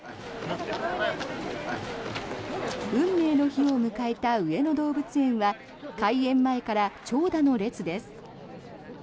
運命の日を迎えた上野動物園は開園前から長蛇の列です。